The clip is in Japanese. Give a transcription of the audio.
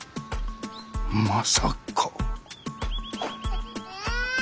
まさか！